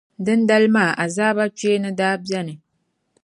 Dindali maa, azaaba kpeeni daa beni.